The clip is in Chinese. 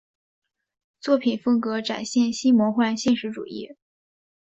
作品风格展现新魔幻现实主义。